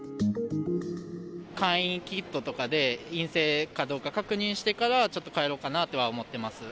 簡易キットとかで陰性かどうか確認してから、ちょっと帰ろうかなとは思ってます。